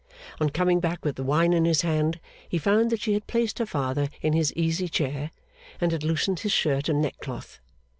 On coming back with the wine in his hand, he found that she had placed her father in his easy chair, and had loosened his shirt and neckcloth.